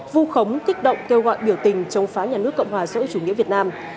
vu khống kích động kêu gọi biểu tình chống phá nhà nước cộng hòa dỗ chủ nghĩa việt nam